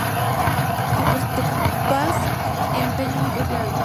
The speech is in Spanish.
Y por tu paz empeño mi propia alma.